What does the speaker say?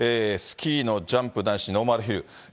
スキーのジャンプ男子ノーマルヒル。